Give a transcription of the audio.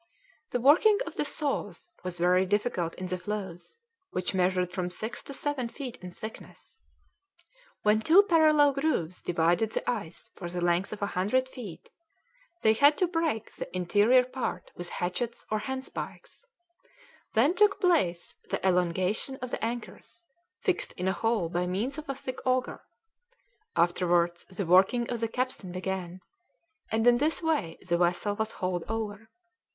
The working of the saws was very difficult in the floes, which measured from six to seven feet in thickness. When two parallel grooves divided the ice for the length of a hundred feet, they had to break the interior part with hatchets or handspikes; then took place the elongation of the anchors, fixed in a hole by means of a thick auger; afterwards the working of the capstan began, and in this way the vessel was hauled over.